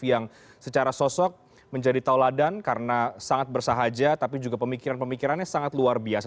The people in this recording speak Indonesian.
yang secara sosok menjadi tauladan karena sangat bersahaja tapi juga pemikiran pemikirannya sangat luar biasa